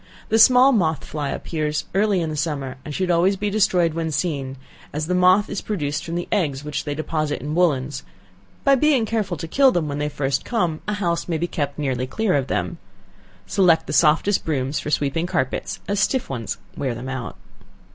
The small moth fly appears early in the summer, and should always be destroyed when seen, as the moth is produced from the eggs which they deposit in woollens; by being careful to kill them when they first come, a house may be kept nearly clear of them. Select the softest brooms for sweeping carpets, as stiff ones wear them out.